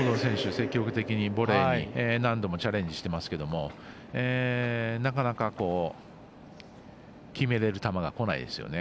積極的にボレーに何度もチャレンジしてますけどなかなか、決められる球がこないですよね。